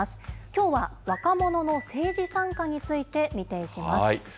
きょうは若者の政治参加について見ていきます。